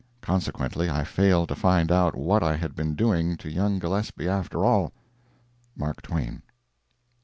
Consequently, I failed to find out what I had been doing to young Gillespie, after all.—MARK TWAIN.